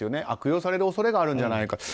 悪用される恐れがあるんじゃないか。